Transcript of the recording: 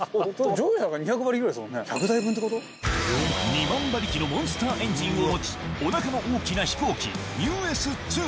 ２万馬力？のモンスターエンジンを持つお腹の大きな飛行機ＵＳ−２